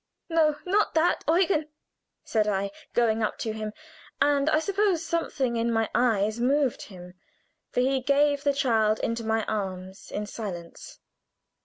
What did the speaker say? "No, not that, Eugen," said I, going up to him, and I suppose something in my eyes moved him, for he gave the child into my arms in silence.